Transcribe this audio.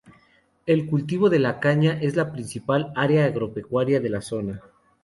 El cultivo de la caña es la principal área agropecuaria de la zona.